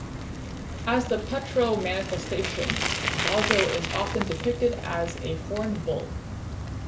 As the Petro manifestation, Bossou is often depicted as a horned bull.